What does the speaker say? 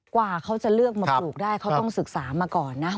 กว่าเขาจะเลือกมาปลูกได้เขาต้องศึกษามาก่อนนะ